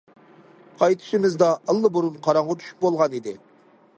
قايتىشىمىزدا ئاللىبۇرۇن قاراڭغۇ چۈشۈپ بولغان ئىدى.